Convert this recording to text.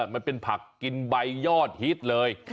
มันเป็นผักกินใบยอดฮิตเลย